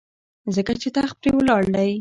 ځکه چې تخت پرې ولاړ دی.